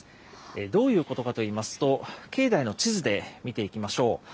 どういうことかといいますと、境内の地図で見ていきましょう。